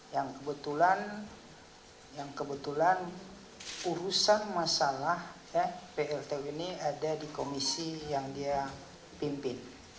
yang kebetulan yang kebetulan urusan masalah pltu ini ada di komisi yang dia pimpin